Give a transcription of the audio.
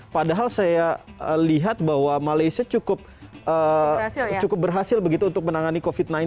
padahal saya lihat bahwa malaysia cukup berhasil begitu untuk menangani covid sembilan belas